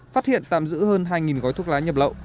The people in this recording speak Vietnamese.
phát hiện tạm giữ hơn hai gói thuốc lá nhập lậu